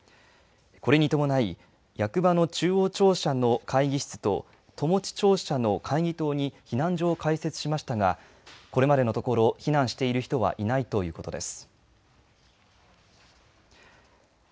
これに伴い、役場の中央庁舎の会議室と庁舎に避難所を開設しましたが、これまでのところ避難している人はいないということです。